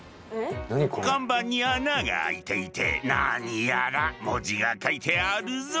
看板に穴が開いていて何やら文字が書いてあるぞ。